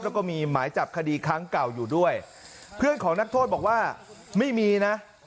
แล้วก็มีหมายจับคดีครั้งเก่าอยู่ด้วยเพื่อนของนักโทษบอกว่าไม่มีนะ